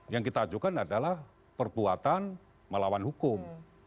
yang kita ajukan adalah perbuatan melawan hukum